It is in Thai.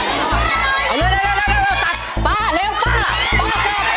เอาเลยตัดป้าเร็วป้าป้าชอบ